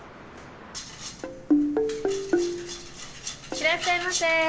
いらっしゃいませ。